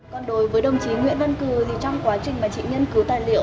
còn đối với đồng chí nguyễn văn cử thì trong quá trình mà chị nghiên cứu tài liệu